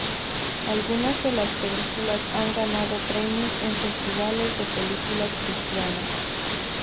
Algunas de las películas han ganado premios en festivales de películas cristianas.